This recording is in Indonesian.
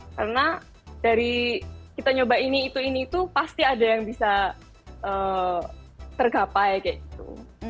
karena dari kita nyoba ini itu ini itu pasti ada yang bisa tergapai kayak gitu